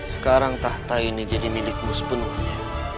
sekarang tahta ini jadi milikmu sepenuhnya